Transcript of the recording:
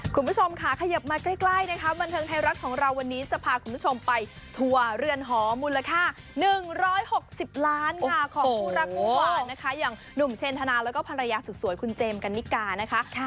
คุณผู้ชมค่ะขยิบมาใกล้นะคะบันเทิงไทยรัฐของเราวันนี้จะพาคุณผู้ชมไปทัวร์เรือนหอมูลค่า๑๖๐ล้านค่ะของคู่รักคู่หวานนะคะอย่างหนุ่มเชนธนาแล้วก็ภรรยาสุดสวยคุณเจมส์กันนิกานะคะ